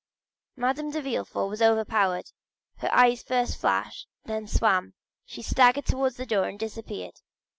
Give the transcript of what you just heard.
Madame de Villefort was overpowered; her eyes first flashed and then swam, she staggered towards the door and disappeared.